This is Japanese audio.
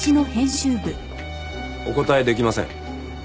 お答え出来ません。